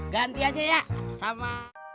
ganti aja ya sama